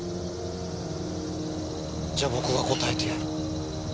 じゃあ僕が答えてやる。